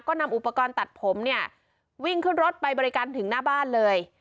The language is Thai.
ก็นำอุปกรณ์ตัดผมเนี่ยวิ่งขึ้นรถไปบริการถึงหน้าบ้านเลย